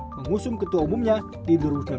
mengusung ketua umumnya di dua ribu sembilan belas